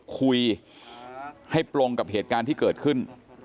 คุยให้ตรงกับเหตุการณ์ที่เกิดขึ้น